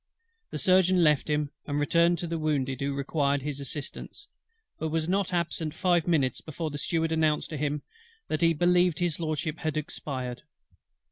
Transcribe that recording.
The Surgeon again left him, and returned to the wounded who required his assistance; but was not absent five minutes before the Steward announced to him that "he believed HIS LORDSHIP had expired."